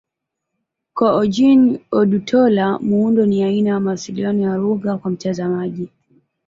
Kwa Ojih Odutola, muundo ni aina ya mawasiliano na lugha kwa mtazamaji.